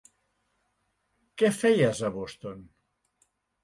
Què feies a Boston?